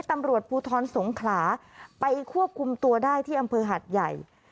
ตำรวจภูทรสงขลาไปควบคุมตัวได้ที่อำเภอหัดใหญ่